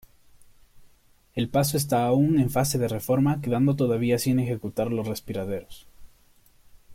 El paso está aún en fase de reforma quedando todavía sin ejecutar los respiraderos.